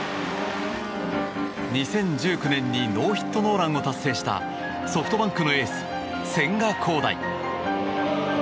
２０１９年にノーヒットノーランを達成したソフトバンクのエース千賀滉大。